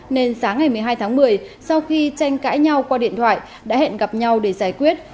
nên sáng ngày một mươi hai tháng một mươi sau khi tranh cãi nhau qua điện thoại đã hẹn gặp nhau để giải quyết